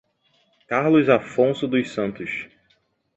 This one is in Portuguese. Carlos Afonso dos Santos